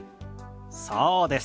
そうです。